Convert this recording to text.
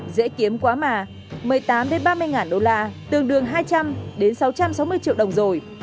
dễ kiếm quá mà một mươi tám ba mươi ngàn đô la tương đương hai trăm linh đến sáu trăm sáu mươi triệu đồng rồi